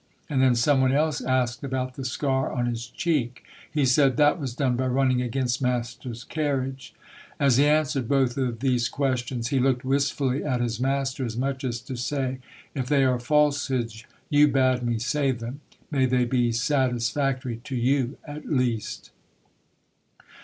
And then some one else asked about the scar on his cheek. He said. "That was done by running against Master's carriage". As he answered both of these questions, he looked wistfully at his master, as much as to say, "If they are falsehoods, you bade me say them : may they be satisfactory to you, at least".